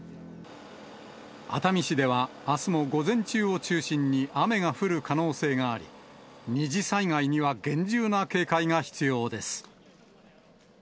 熱海市ではあすも午前中を中心に雨が降る可能性があり、二次災害には厳重な警戒が必要です。